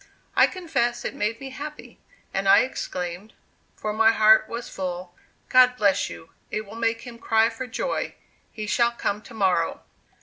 I confess it made me happy, and I exclaimed, for my heart was full, "God bless you, it will make him cry for joy; he shall come to morrow."